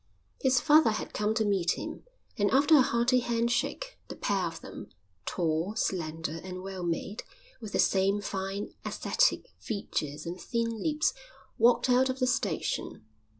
His father had come to meet him, and after a hearty handshake, the pair of them, tall, slender, and well made, with the same fine, ascetic features and thin lips, walked out of the station.